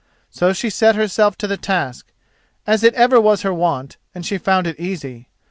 So she set herself to the task, as it ever was her wont, and she found it easy.